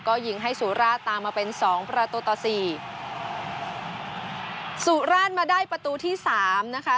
ก็ยิงให้สุราชตามมาเป็นสองประตูต่อสี่สุราชมาได้ประตูที่สามนะคะ